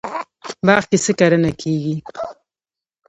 باغ کې څه کرنه کیږي؟